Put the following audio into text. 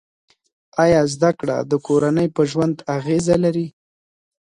آیا زده کړه د کورنۍ په ژوند اغېزه لري؟